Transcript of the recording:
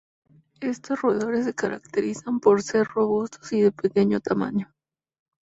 Estos roedores se caracterizan por ser robustos y de pequeño tamaño.